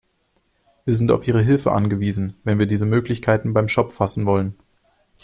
Wir sind auf Ihre Hilfe angewiesen, wenn wir diese Möglichkeiten beim Schopf fassen wollen.